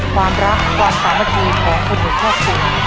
ความรักความสามัคคีของคนในครอบครัว